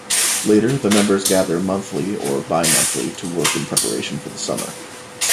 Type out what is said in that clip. Later, the members gather monthly or bimonthly to work in preparation for the summer.